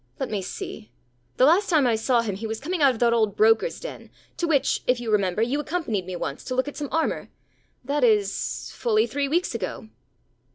Let me see; the last time I saw him he was coming out of that old brokerãs den, to which, if you remember, you accompanied me once, to look at some armour. That is fully three weeks ago.